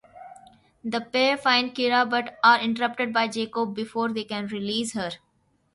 The pair find Kira but are interrupted by Jacob before they can release her.